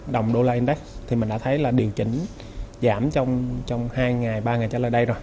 đồng đô la index thì mình đã thấy là điều chỉnh giảm trong hai ba ngày trả lời đây rồi